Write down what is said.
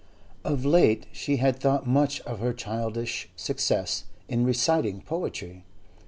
Of late she had thought much of her childish successes in reciting poetry.